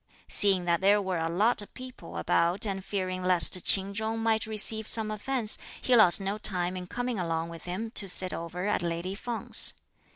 Seeing that there were a lot of people about and fearing lest Ch'in Chung might receive some offence, he lost no time in coming along with him to sit over at lady Feng's.